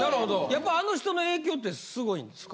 やっぱりあの人の影響ってすごいんですか？